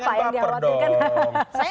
apa yang diperlukan